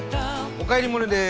「おかえりモネ」です！